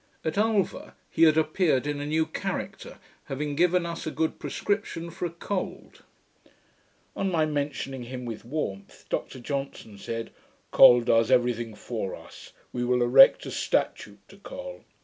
At Ulva he had appeared in a new character, having given us a good prescription for a cold. On my mentioning him with warmth, Dr Johnson said, 'Col does every thing for us: we will erect a statue to Col.'